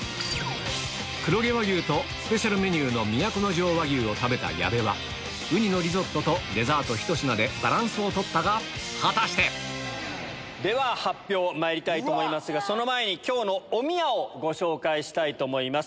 黒毛和牛とスペシャルメニューの都城和牛を食べた矢部バランスを取ったが果たして？では発表まいりたいと思いますがその前に今日のおみやをご紹介したいと思います。